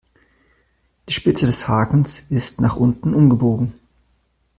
Die Spitze des Hakens ist nach unten umgebogen.